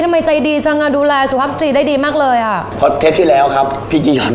พระบุรุษต้องเอาใจผู้หญิงให้เป็นแล้วก็ให้เก่ง